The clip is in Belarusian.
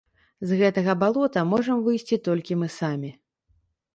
З гэтага балота можам выйсці толькі мы самі.